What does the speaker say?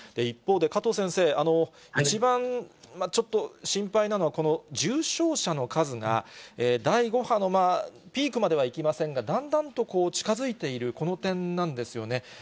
一方で加藤先生、一番ちょっと、心配なのが、この重症者の数が第５波のピークまではいきませんが、だんだんと近づいている、この点なんですよね。